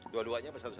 dua duanya apa satu satu